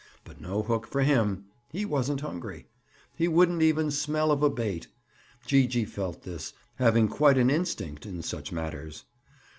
But no hook for him! He wasn't hungry. He wouldn't even smell of a bait. Gee gee felt this, having quite an instinct in such matters.